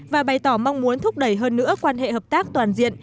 và bày tỏ mong muốn thúc đẩy hơn nữa quan hệ hợp tác toàn diện